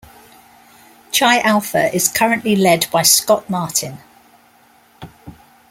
Chi Alpha is currently led by Scott Martin.